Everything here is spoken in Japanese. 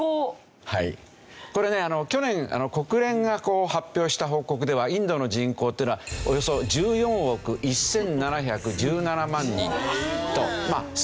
これね去年国連が発表した報告ではインドの人口っていうのはおよそ１４億１７１７万人と推計だったんですね。